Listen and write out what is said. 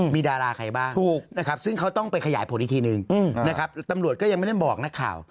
มีดาราใครบ้างซึ่งเขาต้องไปขยายผลิตีนึงตำรวจก็ยังไม่ได้บอกนักข่าว